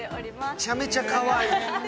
めちゃめちゃかわいい！